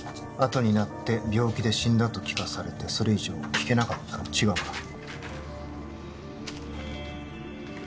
あとになって病気で死んだと聞かされてそれ以上聞けなかった違うか？